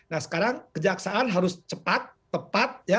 nah sekarang kejaksaan harus cepat tepat ya